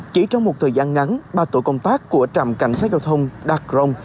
chỉ trong một thời gian ngắn ba tổ công tác của trạm cảnh sát giao thông đạc rồng